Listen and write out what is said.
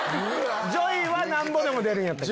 ＪＯＹはなんぼでも出るんやったっけ？